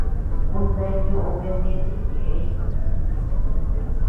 Un bea ñoʼö beanete ñeʼë.